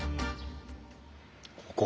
ここ